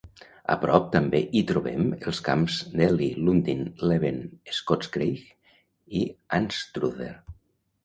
A prop també hi trobem els camps d'Elie, Lundin, Leven, Scotscraig i Anstruther.